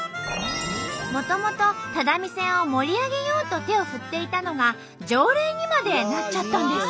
もともと只見線を盛り上げようと手を振っていたのが条例にまでなっちゃったんです。